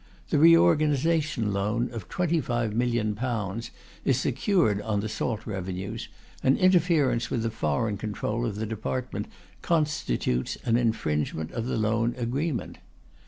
The Reorganization Loan of £25,000,000 is secured on the salt revenues, and interference with the foreign control of the department constitutes an infringement of the loan agreement.